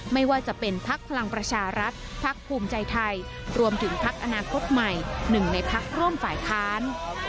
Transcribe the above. ไม่ว่าจะเป็นพักพลังประชารัฐพักภูมิใจไทยรวมถึงพักอนาคตใหม่หนึ่งในพักร่วมฝ่ายค้าน